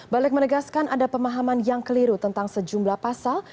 balik menegaskan ada pemahaman yang keliru tentang sejumlah pasal